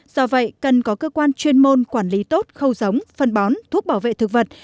do vậy cần có cơ quan chuyên môn quản lý tốt khâu giống phân bón thuốc bảo vệ thực vật